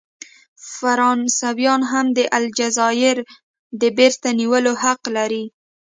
فرانسویان هم د الجزایر د بیرته نیولو حق لري.